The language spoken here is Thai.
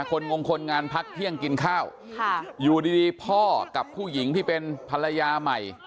งงคนงานพักเที่ยงกินข้าวค่ะอยู่ดีพ่อกับผู้หญิงที่เป็นภรรยาใหม่